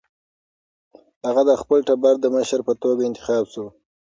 هغه د خپل ټبر د مشر په توګه انتخاب شو.